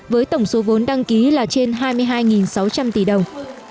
với tổng số vốn đăng ký là trên hai mươi hai sáu trăm linh tỷ đồng